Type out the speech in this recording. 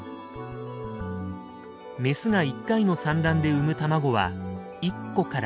メスが１回の産卵で産む卵は１個から２個。